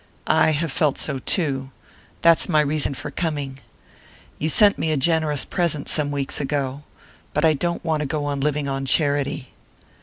"I have felt so too: that's my reason for coming. You sent me a generous present some weeks ago but I don't want to go on living on charity."